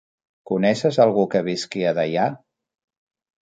Coneixes algú que visqui a Deià?